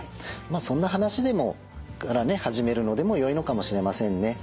そんな話から始めるのでもよいのかもしれませんね。